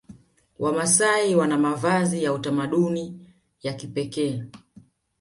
Wamasai Wana mavazi ya utamaduni ya kipekee